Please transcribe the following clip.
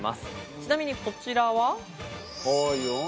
ちなみにこちらは。